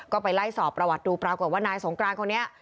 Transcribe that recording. ก็ไปไล่สอบประวัติดูปรากฏว่านายสงกรานคนนี้